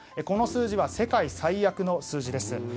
この数字は世界最悪の数字です。